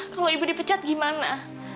kalau ibu dipecat gimana